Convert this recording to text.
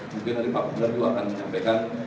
mungkin tadi pak panggang juga akan menyampaikan